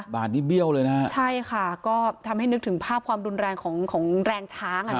บาทนี้เบี้ยวเลยนะฮะใช่ค่ะก็ทำให้นึกถึงภาพความรุนแรงของของแรงช้างอ่ะนะ